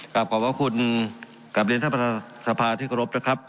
ขอบความบังคุณกับเรียนท่านประสาธาสภาที่กรบนะครับ